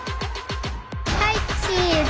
はいチーズ。